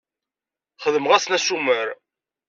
Xedmeɣ-asen assumer.